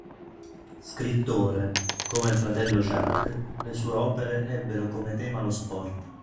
Scrittore, come il fratello Jacques, le sue opere ebbero come tema lo sport.